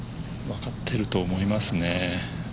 分かっていると思いますね。